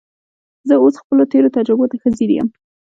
زه اوس خپلو تېرو تجربو ته ښه ځیر یم